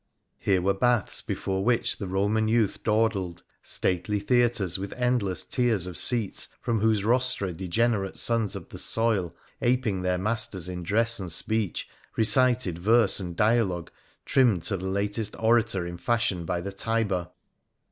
Here were baths before which the Roman youth dawdled ; stately theatres with endless tiers of seats, from whose rostra degenerate sons of the soil, aping their masters in dress and speech, recited verse and dialogue trimmed to the latest orator in fashion by the Tiber.